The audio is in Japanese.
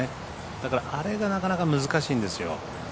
だからあれがなかなか難しいんですよ。